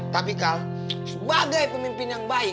tapi kau sebagai pemimpin yang baik